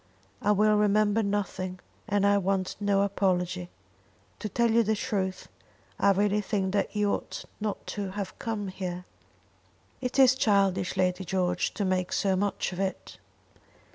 "I will remember nothing, and I want no apology. To tell you the truth, I really think that you ought not to have come here." "It is childish, Lady George, to make so much of it."